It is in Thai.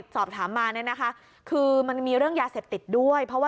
หักติดอยู่ที่หลังเขาแล้วมีดลุงใช่ไหม